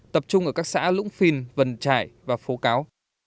tập trung ở các xã lũng phìn vần trải và phố cáo